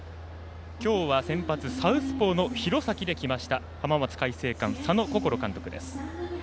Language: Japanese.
今日は先発サウスポーの廣崎できました、浜松開誠館佐野心監督です。